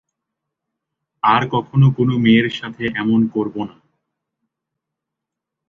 আর কখনো কোন মেয়ের সাথে এমন করবো না!